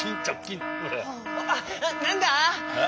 あっなんだ！？